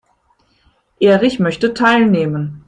Erich möchte teilnehmen.